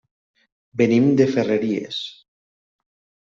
Venim de Ferreries.